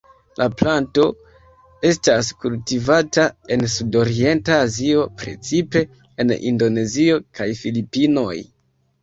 La planto estas kultivata en sudorienta Azio, precipe en Indonezio kaj Filipinoj.